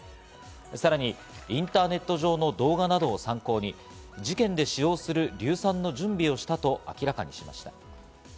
さらにインターネット上の動画などを参考に事件で使用する硫酸の準備をしたと明らかにしました。